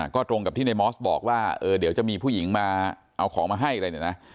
ก็ตรงกับที่ในมอสบอกว่าเดี๋ยวจะมีผู้หญิงมาเอาของมาให้อะไรเนี่ยนะ